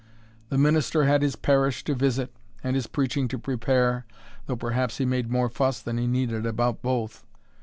The minister had his parish to visit, and his preaching to prepare, though perhaps he made more fuss than he needed about both.